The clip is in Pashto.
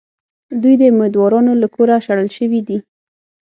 دوی د اُمیدوارانو له کوره شړل شوي دي.